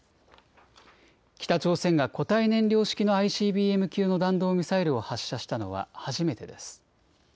北朝鮮が固体燃料式のＩＣＢＭ級の弾道ミサイルを発射したのは初めてです。